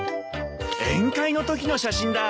宴会の時の写真だ。